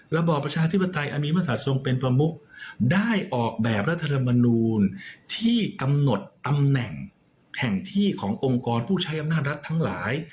ระบอบประชาธิปไตยอันมีมศาสตทรงเป็นประมุกได้ออกแบบรัฐธรรมนูลที่กำหนดตำแหน่งแห่งที่ขององค์กรผู้ใช้อำนาจรัฐทั้งหลาย